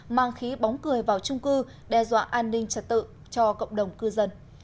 mang khí bóng cười vào trung cư đe dọa an ninh trật tự cho cộng đồng cư dân